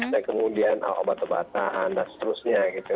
dan kemudian obat obatan dan seterusnya gitu